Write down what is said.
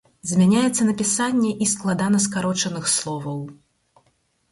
Змяняецца напісанне і складанаскарочаных словаў.